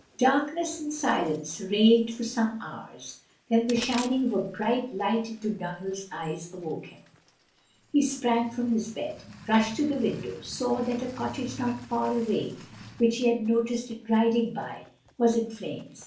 Darkness and silence reigned for some hours, then the shining of a bright light into Donald's eyes awoke him. He sprang from his bed, rushed to the window, saw that a cottage not far away, which he had noticed in riding by, was in flames.